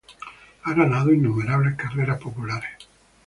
Ha ganado innumerables carreras populares.